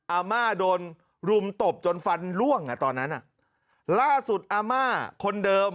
อาม่าโดนรุมตบจนฟันล่วงอ่ะตอนนั้นอ่ะล่าสุดอาม่าคนเดิม